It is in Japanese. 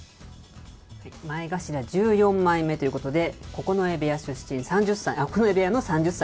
前頭１４枚目ということで、九重部屋出身、３０歳、九重部屋の３０歳。